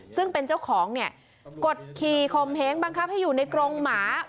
ซึ่งเป็นเจ้าของเนี่ยกดขี่คมเหงบังคับให้อยู่ในกรงหมา